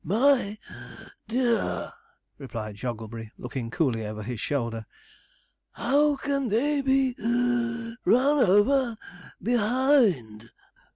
'My (puff) dear,' replied Jogglebury, looking coolly over his shoulder,' how can they be (wheeze) run over behind?'